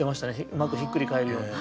うまくひっくり返るように。